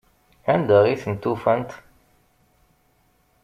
Anda i tent-ufant?